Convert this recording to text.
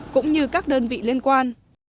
cũng như các đơn vị liên quan